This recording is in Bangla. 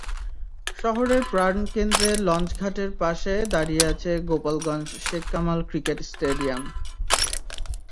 শহরের প্রাণকেন্দ্রে লঞ্চঘাটের পাশে দাঁড়িয়ে আছে গোপালগঞ্জ শেখ কামাল ক্রিকেট স্টেডিয়াম।